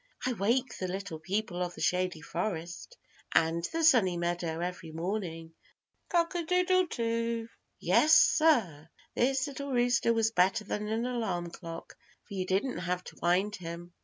I wake the Little People of the Shady Forest and the Sunny Meadow every morning. Cock a doodle do." Yes, sir. This little rooster was better than an alarm clock, for you didn't have to wind him.